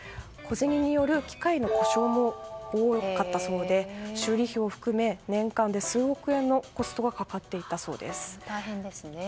小銭による機械の故障も多かったそうで修理費を含め年間で数億円のコストがかかっていたそうです。